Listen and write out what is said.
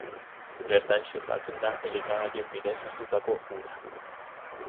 Bertan xurgatzen da elikagaien bidez hartutako ura.